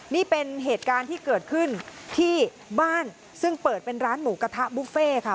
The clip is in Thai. นี่เป็นเหตุการณ์ที่เกิดขึ้นที่บ้านซึ่งเปิดเป็นร้านหมูกระทะบุฟเฟ่ค่ะ